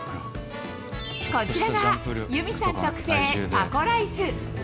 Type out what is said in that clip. こちらが、裕美さん特製タコライス。